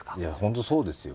本当そうですよ。